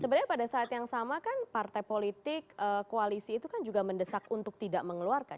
sebenarnya pada saat yang sama kan partai politik koalisi itu kan juga mendesak untuk tidak mengeluarkan